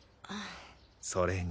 それに。